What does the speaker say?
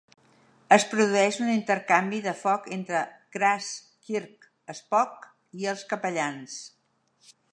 Es produeix un intercanvi de foc entre Kras, Kirk, Spock i els Capellans.